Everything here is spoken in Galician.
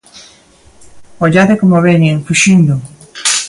Ollade como veñen, fuxindo.